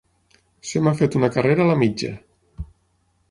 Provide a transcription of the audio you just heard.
Se m'ha fet una carrera a la mitja.